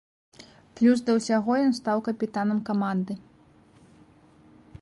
Плюс да ўсяго ён стаў капітанам каманды.